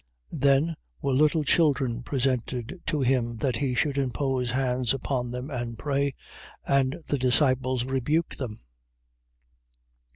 Then were little children presented to him, that he should impose hands upon them and pray. And the disciples rebuked them.